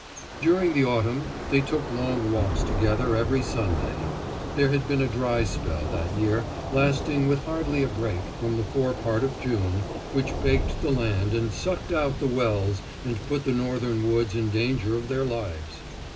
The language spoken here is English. During the autumn they took long walks together every Sunday. There had been a dry spell that year, lasting with hardly a break from the fore part of June, which baked the land and sucked out the wells and put the Northern woods in danger of their lives.